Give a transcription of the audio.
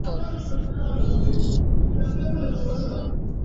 Mueller gbara Paul Menafort